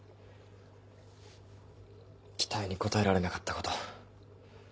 期待に応えられなかったこと。